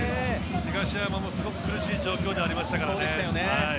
東山もすごく苦しい状況でしたからね。